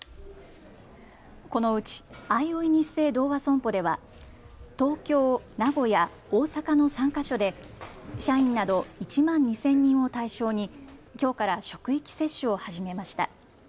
このうちあいおいニッセイ同和損保では東京、名古屋、大阪の３か所で社員など１万２０００人を対象にきょうから職域接種を始めました。